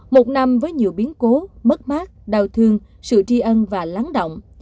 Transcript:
một năm với nhiều biến cố mất mát đau thương sự tri ân và lắng động